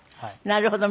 なるほど。